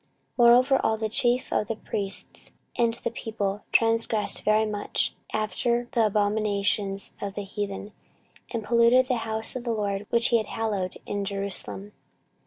14:036:014 Moreover all the chief of the priests, and the people, transgressed very much after all the abominations of the heathen; and polluted the house of the LORD which he had hallowed in Jerusalem.